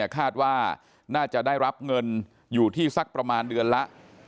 คาดว่าน่าจะได้รับเงินอยู่ที่สักประมาณเดือนละ